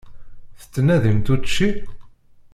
Tettnadimt učči?